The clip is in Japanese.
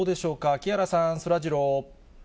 木原さん、そらジロー。